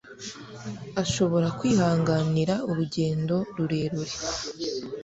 ashobora kwihanganira urugendo rurerure